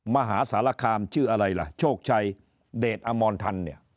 มหาสารคามชื่ออะไรล่ะโชคชัยเดชอมรทันเนี่ย